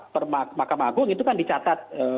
per mahkamah agung itu kan dicatat